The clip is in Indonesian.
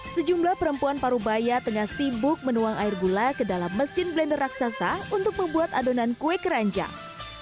sejumlah perempuan parubaya tengah sibuk menuang air gula ke dalam mesin blender raksasa untuk membuat adonan kue keranjang